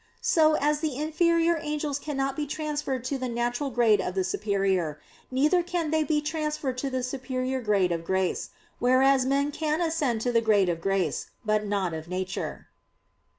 So, as the inferior angels cannot be transferred to the natural grade of the superior, neither can they be transferred to the superior grade of grace; whereas men can ascend to the grade of grace, but not of nature.